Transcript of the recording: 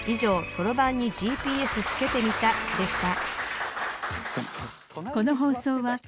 そろばんにＧＰＳつけてみたでした